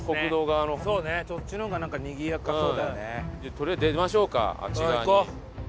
とりあえず出ましょうかあっち側に。